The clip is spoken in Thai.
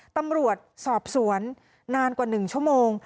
ตำรวจสอบสวนนานกว่า๑ชั่วโมง